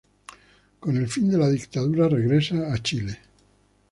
Con el fin de la dictadura, regresa a Chile.